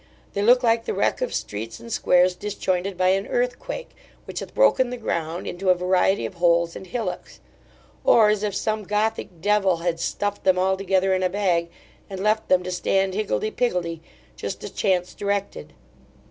They look like the wreck of streets and squares disjointed by an earthquake, which hath broken the ground into a variety of holes and hillocks; or as if some Gothic devil had stuffed them altogether in a bag, and left them to stand higgledy piggledy, just as chance directed.